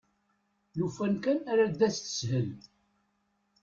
Lufan kan ad d-tas teshel!